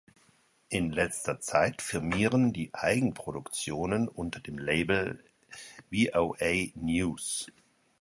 In letzter Zeit firmieren die Eigenproduktionen unter dem Label VoA News.